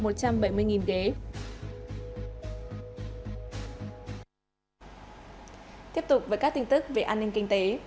tiếp tục với các tin tức về an ninh kinh tế